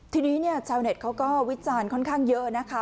ที่นี้เจ้าเน็ตก็วิศาลของค่างเยอะนะคะ